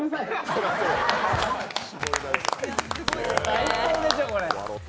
最高でしょ、これ。